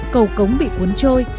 cầu cống bị cuốn trôi